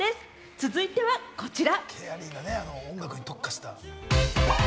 続いてはこちら！